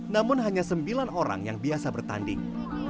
namun hanya sembilan orang yang biasa bertanding